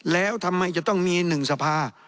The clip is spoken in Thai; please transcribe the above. แล้วทำไมจะต้องมี๑สภา